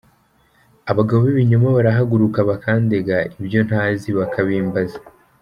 Abagabo b’ibinyoma barahaguruka, Bakandega ibyo ntazi bakabimbaza.